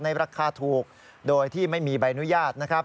ในราคาถูกโดยที่ไม่มีใบอนุญาต